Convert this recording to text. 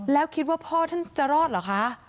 แล้วคิดว่าพ่อท่านจะรอดเหรอคะ